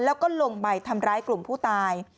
แล้วก็ลงไปทำร้ายกลุ่มผู้ตาย